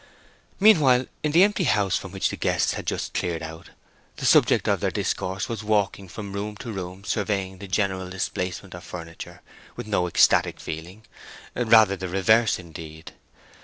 Meanwhile, in the empty house from which the guests had just cleared out, the subject of their discourse was walking from room to room surveying the general displacement of furniture with no ecstatic feeling; rather the reverse, indeed.